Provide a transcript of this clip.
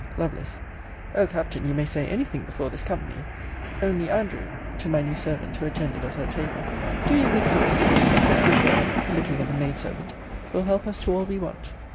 Lovel. O Captain, you may say any thing before this company only, Andrew, [to my new servant, who attended us at table,] do you withdraw: this good girl [looking at the maid servant] will help us to all we want.